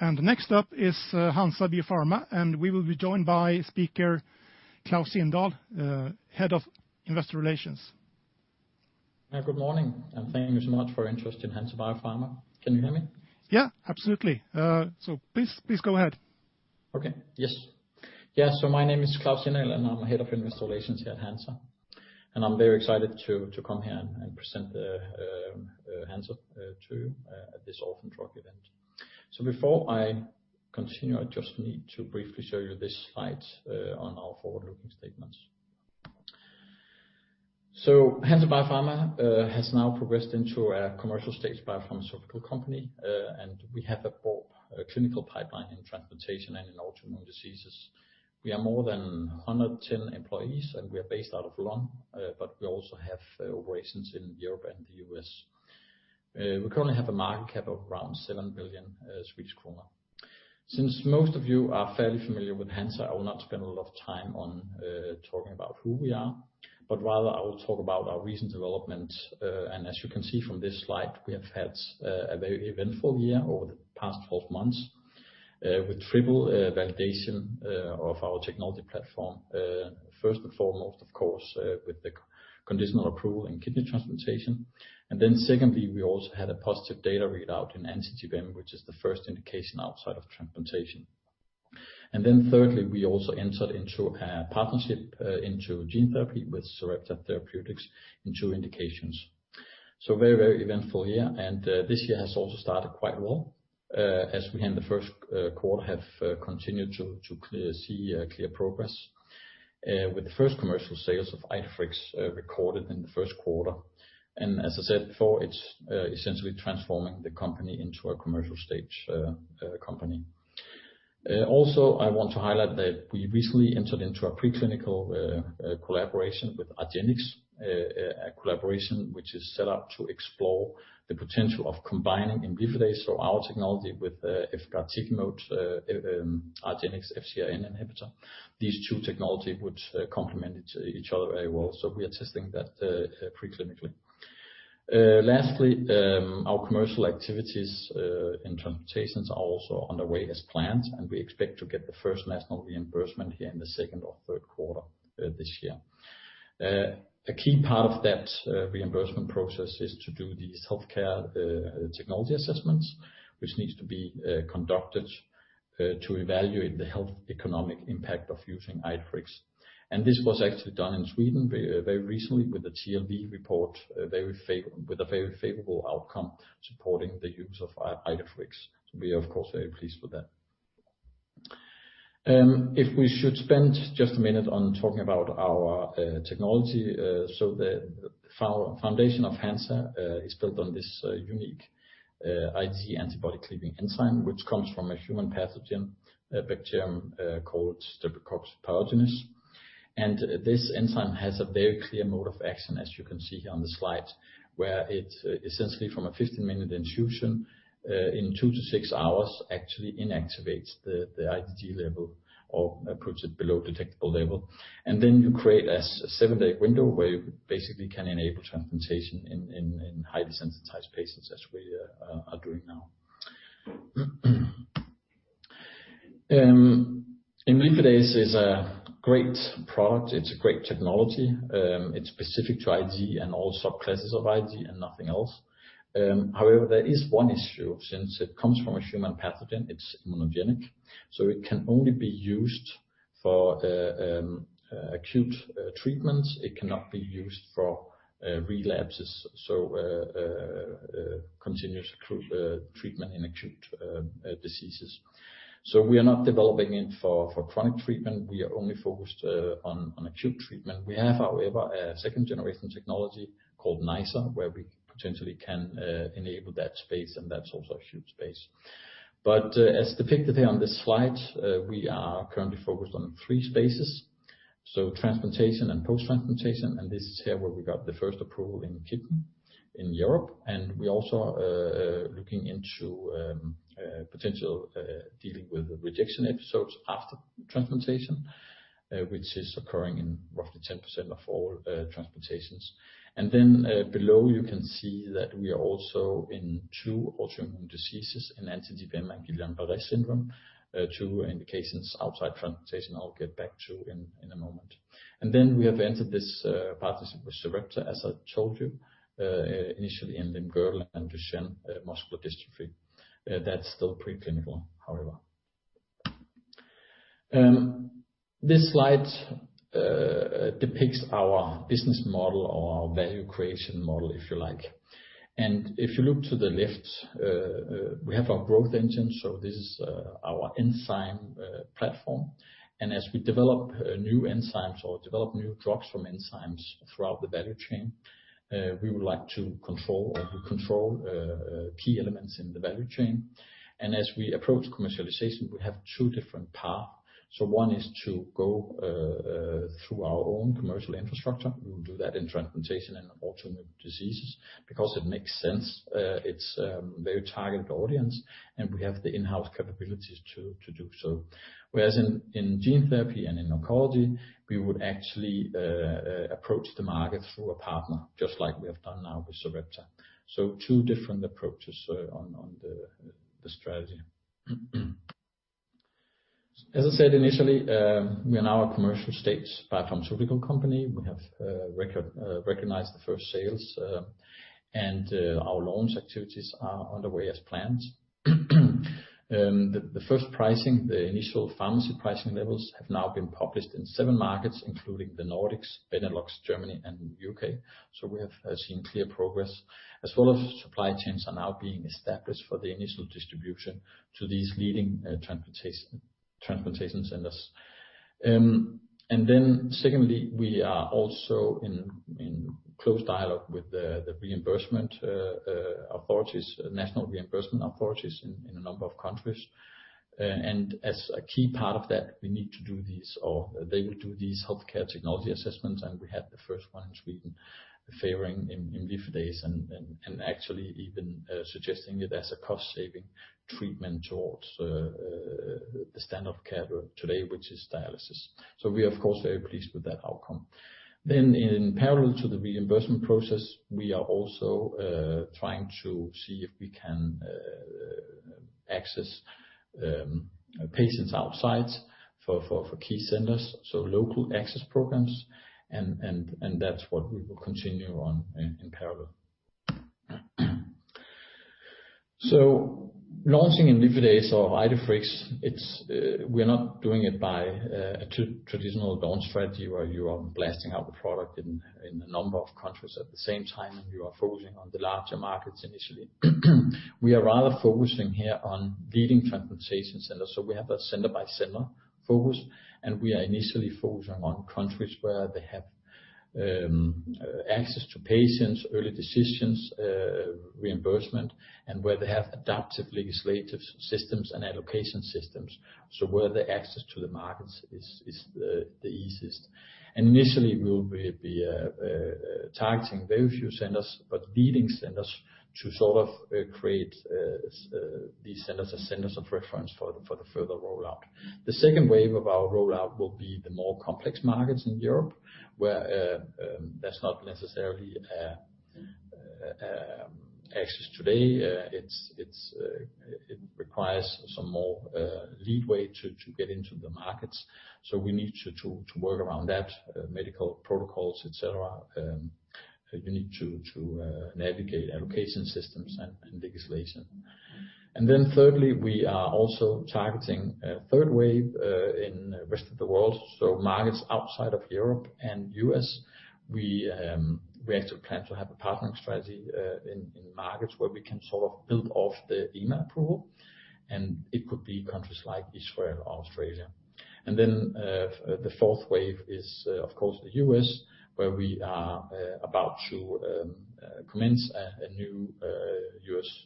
Next up is Hansa Biopharma, and we will be joined by speaker Klaus Sindahl, Head of Investor Relations. Good morning, and thank you so much for your interest in Hansa Biopharma. Can you hear me? Yeah, absolutely. Please go ahead. Okay. Yes. My name is Klaus Sindahl, and I'm the Head of Investor Relations here at Hansa Biopharma. I'm very excited to come here and present Hansa Biopharma to you at this Orphan Drug Event. Before I continue, I just need to briefly show you this slide on our forward-looking statements. Hansa Biopharma has now progressed into a commercial-stage biopharmaceutical company. We have a broad clinical pipeline in transplantation and in autoimmune diseases. We are more than 110 employees. We are based out of Lund. We also have operations in Europe and the U.S. We currently have a market cap of around 7 billion Swedish kronor. Since most of you are fairly familiar with Hansa Biopharma, I will not spend a lot of time on talking about who we are, but rather I will talk about our recent development. As you can see from this slide, we have had a very eventful year over the past 12 months, with triple validation of our technology platform. First and foremost, of course, with the conditional approval in kidney transplantation. Secondly, we also had a positive data readout in anti-GBM, which is the first indication outside of transplantation. Thirdly, we also entered into a partnership into gene therapy with Sarepta Therapeutics in two indications. Very eventful year, and this year has also started quite well, as we in the first quarter have continued to see clear progress with the first commercial sales of Idefirix recorded in the first quarter. As I said before, it's essentially transforming the company into a commercial-stage company. Also, I want to highlight that we recently entered into a preclinical collaboration with argenx. A collaboration which is set up to explore the potential of combining imlifidase or our technology with efgartigimod, argenx FcRn inhibitor. These two technologies would complement each other very well. We are testing that pre-clinically. Lastly, our commercial activities in transplantations are also underway as planned, and we expect to get the first national reimbursement here in the second or third quarter this year. A key part of that reimbursement process is to do these health technology assessments, which needs to be conducted to evaluate the health economic impact of using Idefirix. This was actually done in Sweden very recently with the TLV report, with a very favorable outcome supporting the use of Idefirix. We are, of course, very pleased with that. If we should spend just a minute on talking about our technology. The foundation of Hansa Biopharma is built on this unique IgG antibody-cleaving enzyme, which comes from a human pathogen, a bacterium called Streptococcus pyogenes. This enzyme has a very clear mode of action, as you can see here on the slide, where it essentially from a 15-minute infusion, in two-six hours, actually inactivates the IgG level or puts it below detectable level. You create a seven-day window where you basically can enable transplantation in highly sensitized patients as we are doing now. imlifidase is a great product. It's a great technology. It's specific to IgG and all subclasses of IgG and nothing else. However, there is one issue since it comes from a human pathogen, it's immunogenic, so it can only be used for acute treatments. It cannot be used for relapses, so continuous treatment in acute diseases. We are not developing it for chronic treatment. We are only focused on acute treatment. We have, however, a second-generation technology called NiceR, where we potentially can enable that space, and that's also acute space. As depicted here on this slide, we are currently focused on three spaces. Transplantation and post-transplantation, this is here where we got the first approval in kidney in Europe. We also are looking into potential dealing with rejection episodes after transplantation, which is occurring in roughly 10% of all transplantations. Below you can see that we are also in two autoimmune diseases in anti-GBM and Guillain-Barré syndrome. Two indications outside transplantation I'll get back to in a moment. We have entered this partnership with Sarepta, as I told you, initially in limb-girdle and Duchenne muscular dystrophy. That's still pre-clinical, however. This slide depicts our business model or our value creation model, if you like. If you look to the left, we have our growth engine. This is our enzyme platform. As we develop new enzymes or develop new drugs from enzymes throughout the value chain, we would like to control or we control key elements in the value chain. As we approach commercialization, we have two different paths. One is to go through our own commercial infrastructure. We will do that in transplantation and autoimmune diseases because it makes sense. It's a very targeted audience, and we have the in-house capabilities to do so. Whereas in gene therapy and in oncology, we would actually approach the market through a partner just like we have done now with Sarepta. Two different approaches on the strategy. As I said initially, we are now a commercial-stage biopharmaceutical company. We have recognized the first sales, our launch activities are underway as planned. The first pricing, the initial pharmacy pricing levels have now been published in seven markets, including the Nordics, Benelux, Germany, and U.K. We have seen clear progress. As well as supply chains are now being established for the initial distribution to these leading transplantation centers. Secondly, we are also in close dialogue with the reimbursement authorities, national reimbursement authorities in a number of countries. As a key part of that, we need to do these, or they will do these health technology assessments, and we had the first one in Sweden favoring imlifidase and actually even suggesting it as a cost-saving treatment towards the standard of care today, which is dialysis. We are of course, very pleased with that outcome. In parallel to the reimbursement process, we are also trying to see if we can access patients outside for key centers, local access programs, and that's what we will continue on in parallel. Launching imlifidase or Idefirix, we are not doing it by a traditional launch strategy where you are blasting out the product in a number of countries at the same time, and you are focusing on the larger markets initially. We are rather focusing here on leading transplantation centers. We have a center-by-center focus, and we are initially focusing on countries where they have access to patients, early decisions, reimbursement, and where they have adaptive legislative systems and allocation systems. Where the access to the markets is the easiest. Initially, we'll be targeting very few centers, but leading centers to sort of create these centers as centers of reference for the further rollout. The second wave of our rollout will be the more complex markets in Europe, where there's not necessarily access today. It requires some more leeway to get into the markets. We need to work around that, medical protocols, et cetera. We need to navigate allocation systems and legislation. Thirdly, we are also targeting a third wave in rest of the world, so markets outside of Europe and U.S. We actually plan to have a partnering strategy, in markets where we can sort of build off the EMA approval, and it could be countries like Israel or Australia. Then, the fourth wave is, of course, the U.S. where we are about to commence a new US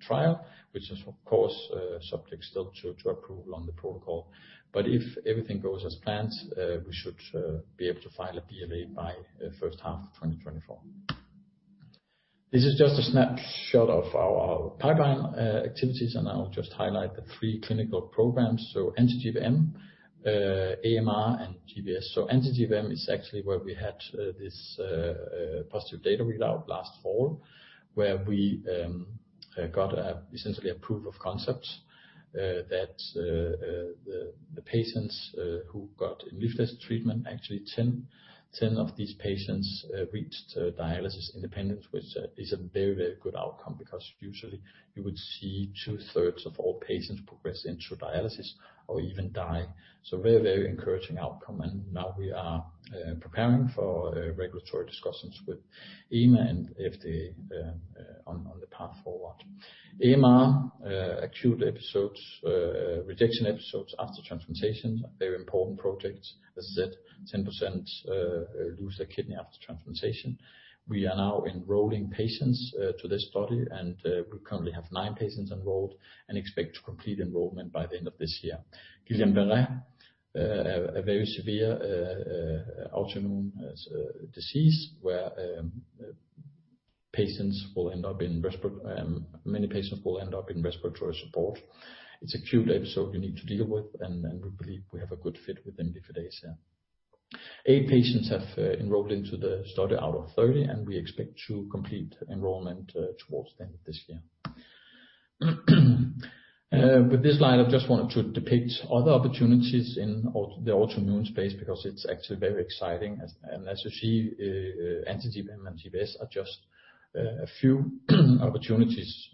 trial, which is of course, subject still to approval on the protocol. If everything goes as planned, we should be able to file a BLA by first half of 2024. This is just a snapshot of our pipeline activities, I will just highlight the three clinical programs. anti-GBM, AMR, and GBS. anti-GBM is actually where we had this positive data readout last fall, where we got essentially a proof of concept that the patients who got imlifidase treatment, actually 10 of these patients reached dialysis independence, which is a very good outcome because usually you would see two-thirds of all patients progress into dialysis or even die. Now we are preparing for regulatory discussions with EMA and FDA on the path forward. AMR, acute episodes, rejection episodes after transplantations are very important projects. As I said, 10% lose their kidney after transplantation. We are now enrolling patients to this study, and we currently have nine patients enrolled and expect to complete enrollment by the end of this year. Guillain-Barré, a very severe autoimmune disease where many patients will end up in respiratory support. It's an acute episode you need to deal with, and we believe we have a good fit with imlifidase there. Eight patients have enrolled into the study out of 30 patients, and we expect to complete enrollment towards the end of this year. With this slide, I just wanted to depict other opportunities in the autoimmune space because it's actually very exciting. As you see, anti-GBM and GBS are just a few opportunities.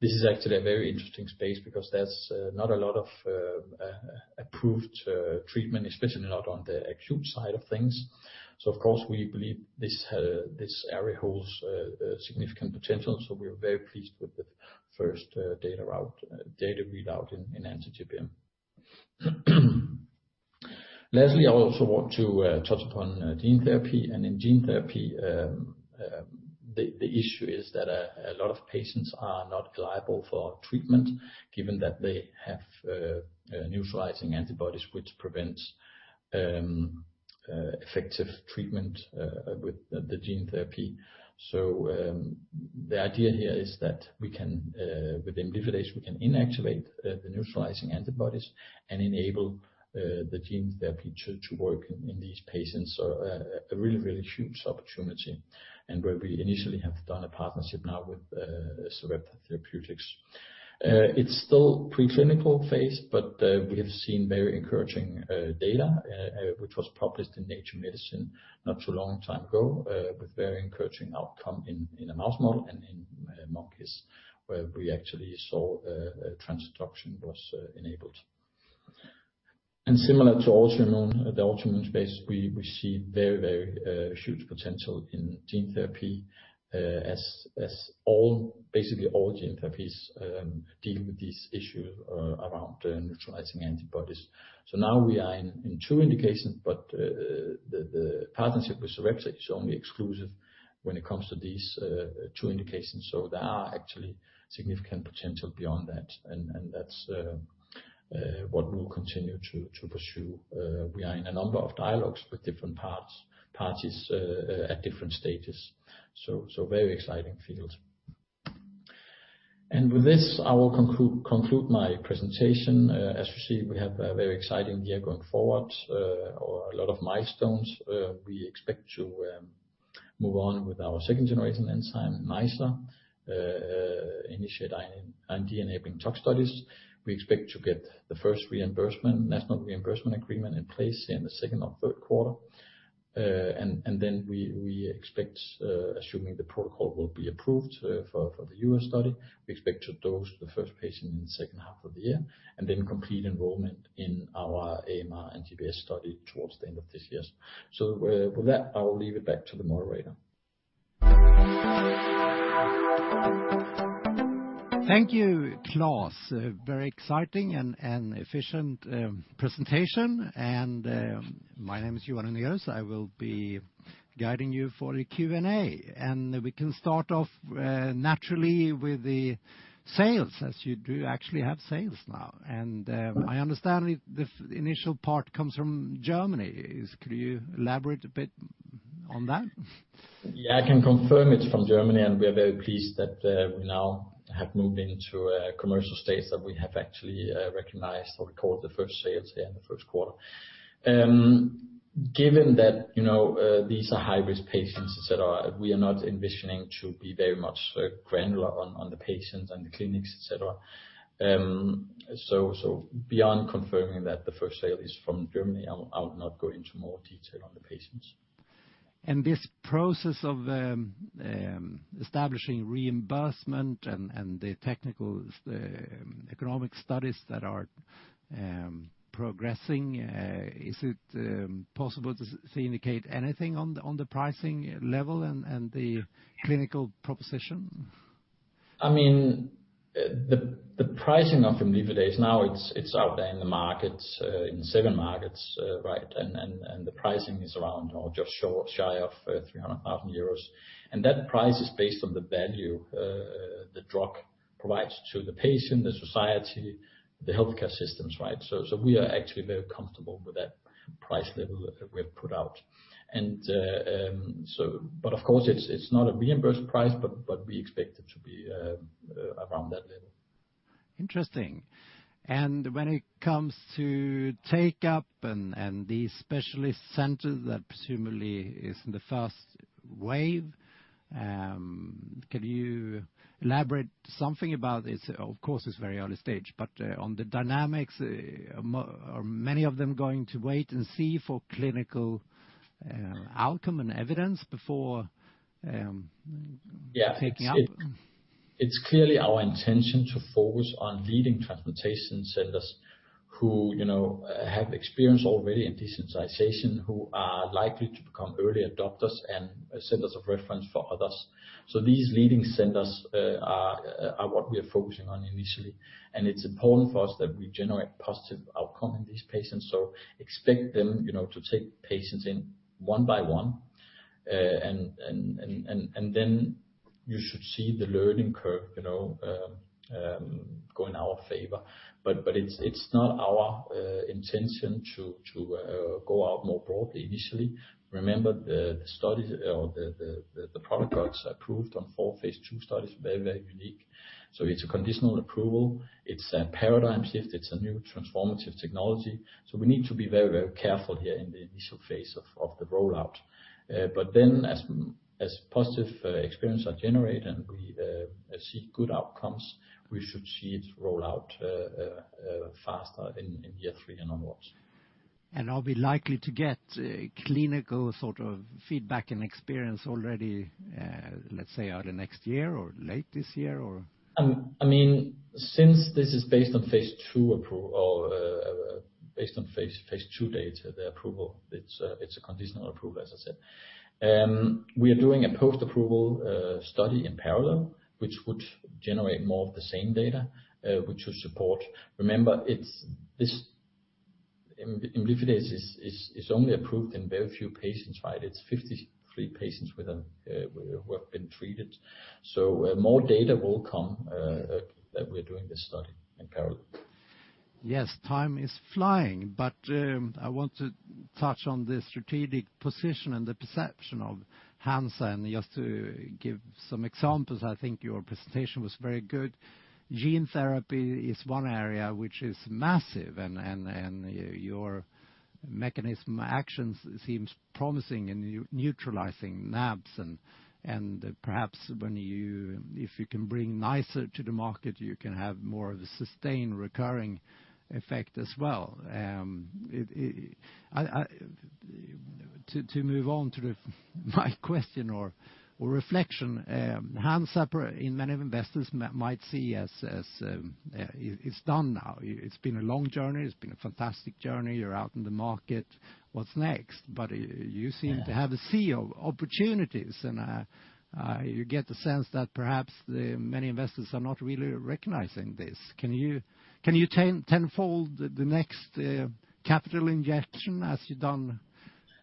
This is actually a very interesting space because there's not a lot of approved treatment, especially not on the acute side of things. Of course, we believe this area holds significant potential. We are very pleased with the first data readout in anti-GBM. Lastly, I also want to touch upon gene therapy. In gene therapy, the issue is that a lot of patients are not liable for treatment given that they have neutralizing antibodies, which prevents effective treatment with the gene therapy. The idea here is that with imlifidase, we can inactivate the neutralizing antibodies and enable the gene therapy to work in these patients. A really huge opportunity and where we initially have done a partnership now with Sarepta Therapeutics. It's still preclinical phase, but we have seen very encouraging data, which was published in "Nature Medicine" not too long time ago, with very encouraging outcome in a mouse model and in monkeys, where we actually saw transduction was enabled. Similar to the autoimmune space, we see very huge potential in gene therapy, as basically all gene therapies deal with these issues around neutralizing antibodies. Now we are in two indications, but the partnership with Sarepta is only exclusive when it comes to these two indications. There are actually significant potential beyond that. That's what we'll continue to pursue. We are in a number of dialogues with different parties at different stages. Very exciting fields. With this, I will conclude my presentation. As you see, we have a very exciting year going forward, or a lot of milestones. We expect to move on with our second-generation enzyme, NiceR, initiate our IND-enabling tox studies. We expect to get the first national reimbursement agreement in place in the second or third quarter. We expect, assuming the protocol will be approved for the US study, we expect to dose the first patient in the second half of the year, and then complete enrollment in our AMR and GBS study towards the end of this year. With that, I will leave it back to the moderator. Thank you, Klaus. A very exciting and efficient presentation. My name is Johan Unnerus. I will be guiding you for the Q&A. We can start off naturally with the sales, as you do actually have sales now. I understand the initial part comes from Germany. Could you elaborate a bit on that? I can confirm it's from Germany, and we are very pleased that we now have moved into a commercial state that we have actually recognized or recorded the first sales here in the first quarter. Given that these are high-risk patients, et cetera, we are not envisioning to be very much granular on the patients and the clinics, et cetera. Beyond confirming that the first sale is from Germany, I'll not go into more detail on the patients. This process of establishing reimbursement and the technical economic studies that are progressing, is it possible to indicate anything on the pricing level and the clinical proposition The pricing of imlifidase now it's out there in the market, in seven markets. The pricing is around or just shy of 300,000 euros. That price is based on the value the drug provides to the patient, the society, the healthcare systems. We are actually very comfortable with that price level that we have put out. Of course, it's not a reimbursed price, but we expect it to be around that level. Interesting. When it comes to take-up and the specialist center that presumably is in the first wave, can you elaborate something about this? Of course, it's very early stage. On the dynamics, are many of them going to wait and see for clinical outcome and evidence before taking up? It's clearly our intention to focus on leading transplantation centers who have experience already in desensitization, who are likely to become early adopters and centers of reference for others. These leading centers are what we are focusing on initially, and it's important for us that we generate positive outcome in these patients. Expect them to take patients in one by one, and then you should see the learning curve go in our favor. It's not our intention to go out more broadly initially. Remember, the studies or the protocols approved on four phase II studies are very unique. It's a conditional approval. It's a paradigm shift. It's a new transformative technology. We need to be very careful here in the initial phase of the rollout. As positive experiences are generated and we see good outcomes, we should see it roll out faster in year three and onwards. Are we likely to get clinical sort of feedback and experience already, let's say, early next year or late this year? Since this is based on phase II data approval, it's a conditional approval, as I said. We are doing a post-approval study in parallel, which would generate more of the same data, which will support. Remember, this imlifidase is only approved in very few patients. It's 53 patients who have been treated. More data will come that we're doing this study in parallel. Yes. Time is flying. I want to touch on the strategic position and the perception of Hansa Biopharma. Just to give some examples, I think your presentation was very good. Gene therapy is one area which is massive and your mechanism actions seems promising in neutralizing NAbs and perhaps if you can bring NiceR to the market, you can have more of a sustained recurring effect as well. To move on to my question or reflection, Hansa Biopharma, in many investors might see as it's done now. It's been a long journey. It's been a fantastic journey. You're out in the market. What's next? You seem to have a sea of opportunities and you get the sense that perhaps many investors are not really recognizing this. Can you tenfold the next capital injection as you've done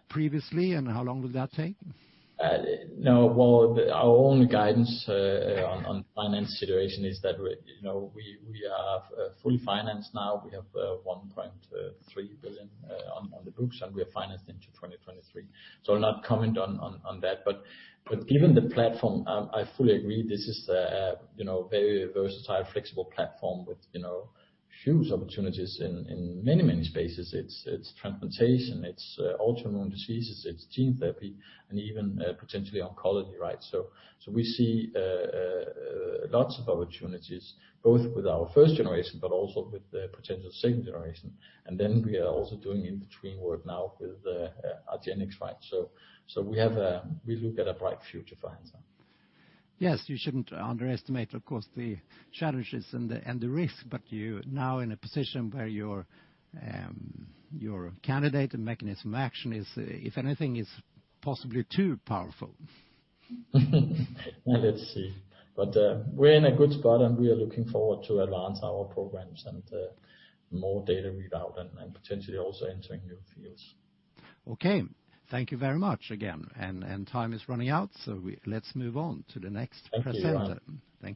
previously, and how long will that take? No, well, our own guidance on finance situation is that we are fully financed now. We have 1.3 billion on the books. We are financed into 2023. I'll not comment on that. Given the platform, I fully agree this is a very versatile, flexible platform with huge opportunities in many, many spaces. It's transplantation, it's autoimmune diseases, it's gene therapy, and even potentially oncology, right? We see lots of opportunities both with our first generation but also with the potential second generation. We are also doing in between work now with the argenx fight. We look at a bright future for Hansa Biopharma. You shouldn't underestimate, of course, the challenges and the risk, you're now in a position where your candidate and mechanism action, if anything, is possibly too powerful. Let's see. We're in a good spot, and we are looking forward to advance our programs and more data readout and potentially also entering new fields. Okay. Thank you very much again. Time is running out, so let's move on to the next presenter. Thank you. Thank you.